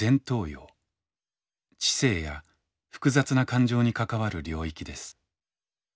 知性や複雑な感情に関わる領域です。